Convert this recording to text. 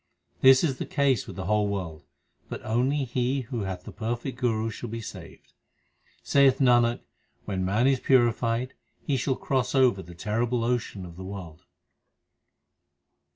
This is the case with the whole world, but only he who hath the perfect Guru shall be saved. Saith Nanak, when man is purified, he shall cross over the terrible ocean of the world.